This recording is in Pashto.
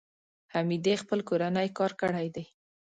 حمیدې خپل کورنی کار کړی دی.